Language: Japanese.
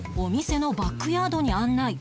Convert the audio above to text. お店のバックヤードに案内。